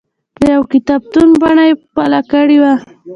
د یوه کتابتون بڼه یې خپله کړې وه.